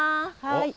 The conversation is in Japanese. はい。